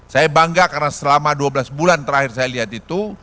saya bangga karena selama dua belas bulan terakhir saya lihat itu